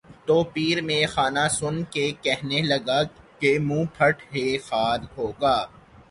تو پیر مے خانہ سن کے کہنے لگا کہ منہ پھٹ ہے خار ہوگا